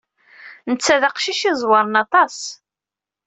Netta d aqcic iẓewren aṭas.